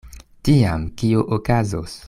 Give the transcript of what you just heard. Tiam kio okazos?